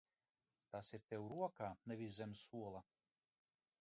Tas ir tev rokā, nevis zem sola!